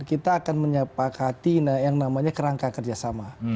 kita akan menyepakati yang namanya kerangka kerjasama